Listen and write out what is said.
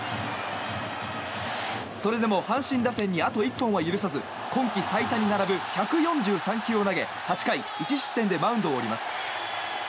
それでも阪神打線にあと１本は許さず今季最多に並ぶ１４３球を投げ８回１失点でマウンドを降ります。